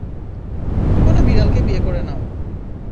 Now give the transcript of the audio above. কোনো বিড়ালকে বিয়ে করে নাও।